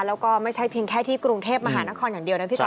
แล้วก็ไม่ใช่เพียงแค่ที่กรุงเทพมหานครอย่างเดียวนะพี่ป